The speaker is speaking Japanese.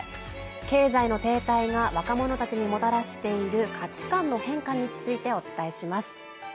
経済の停滞が若者たちにもたらしている価値観の変化についてお伝えします。